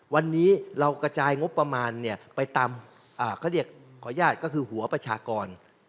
วันนี้เรากระจายงบประมาณไปตามหัวประชากร